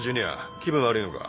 気分悪いのか？